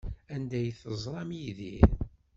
Anda ay teẓram Yidir?